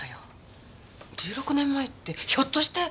１６年前ってひょっとして。